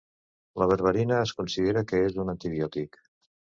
La berberina es considera que és un antibiòtic.